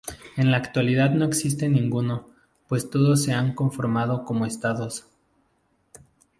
En la actualidad no existe ninguno, pues todos se han conformado como estados.